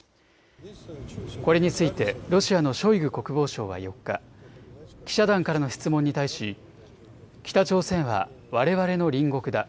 これについてロシアのショイグ国防相は４日、記者団からの質問に対し北朝鮮はわれわれの隣国だ。